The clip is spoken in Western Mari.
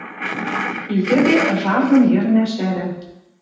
И йӹде ыжаргым йӹрнӓ шӓрӓ...